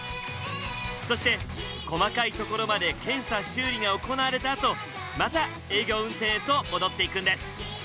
そして細かい所まで検査・修理が行われたあとまた営業運転へと戻っていくんです。